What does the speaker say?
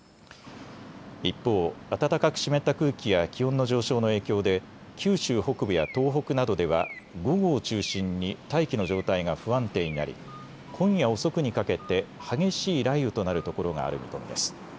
一方、暖かく湿った空気や気温の上昇の影響で九州北部や東北などでは午後を中心に大気の状態が不安定になり今夜遅くにかけて激しい雷雨となるところがある見込みです。